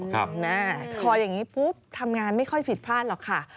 ทำหน้าคออย่างนี้ปุ๊บทำงานไม่ค่อยผิดพลาดหรอกค่ะ